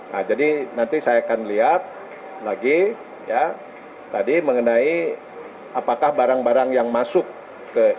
nah jadi nanti saya akan lihat lagi ya tadi mengenai apakah barang barang yang masuk ke